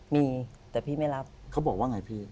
มีแต่พี่ไม่รับเขาบอกว่าไงพี่